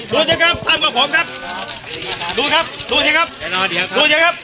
ดูสิครับท่านกว่าผมครับดูครับดูสิครับดูสิครับ